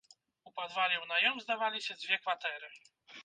У падвале ў наём здаваліся дзве кватэры.